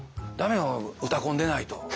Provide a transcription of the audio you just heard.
『うたコン』出ないと」。